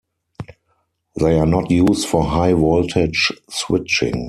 They are not used for high voltage switching.